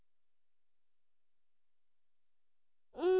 うん？